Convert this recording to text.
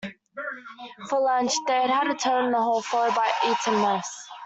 For lunch, they had toad-in-the-hole followed by Eton mess